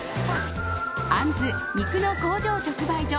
あんずお肉の工場直売所